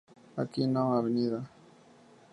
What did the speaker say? Aquino, Av.